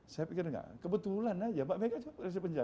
saya pikir kebetulan saja mbak mega juga berhasil penjaga